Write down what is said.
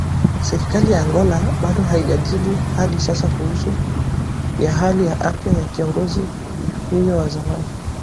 Serikali ya Angola bado haijajibu hadi sasa kuhusu ya hali ya afya ya kiongozi huyo wa zamani